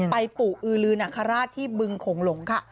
ปู่อือลือนอังคาราชที่บึงโขงหลงค่ะ